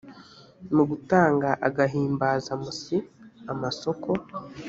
mu gutanga agahimbazamusyi amasoko